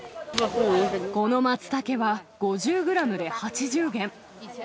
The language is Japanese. このマツタケは、５０グラムで８０元。